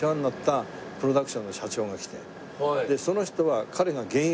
その人は。